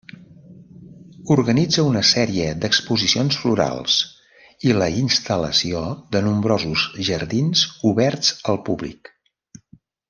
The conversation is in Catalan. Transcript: Organitza una sèrie d'exposicions florals i la instal·lació de nombrosos jardins oberts al públic.